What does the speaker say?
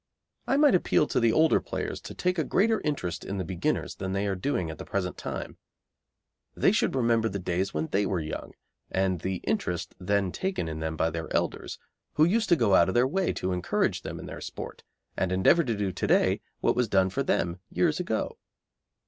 I might appeal to the older players to take a greater interest in the beginners than they are doing at the present time. They should remember the days when they were young and the interest taken in them by their elders, who used to go out of their way to encourage them in their sport, and endeavour to do to day what was done for them years ago.